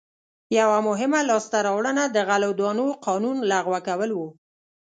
یوه مهمه لاسته راوړنه د غلو دانو قانون لغوه کول و.